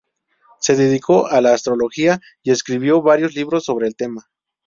Se dedicó a la astrología y escribió varios libros sobre el tema.